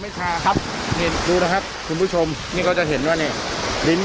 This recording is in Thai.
ชาครับนี่ดูนะครับคุณผู้ชมนี่ก็จะเห็นว่านี่ลิ้น